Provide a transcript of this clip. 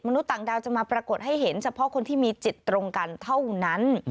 ต่างดาวจะมาปรากฏให้เห็นเฉพาะคนที่มีจิตตรงกันเท่านั้น